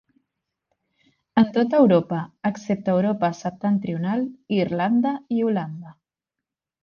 En tota Europa, excepte a Europa septentrional, Irlanda i Holanda.